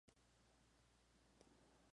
En una región anteriormente productora de hulla.